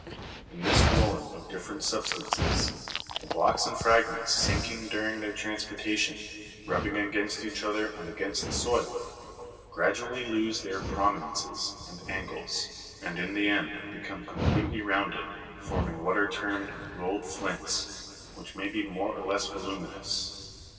In this rolling of different substances, the blocks and frag ments sinking during their transportation, rubbing against each other and against the soil, gradually lose their prominences and angles, and in the end become completely rounded, forming what are termed rolled flints, which may be more or less voluminous.